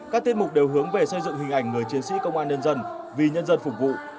các tiết mục đều hướng về xây dựng hình ảnh người chiến sĩ công an nhân dân vì nhân dân phục vụ